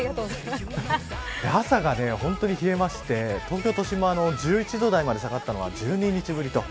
朝が本当に冷えまして東京都心も１１度台まで下がったのは１２日ぶり。